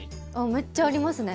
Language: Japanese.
めっちゃありますね。